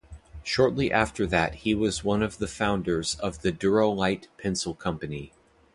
Shortly after that he was one of the founders of the Dur-O-Lite Pencil Company.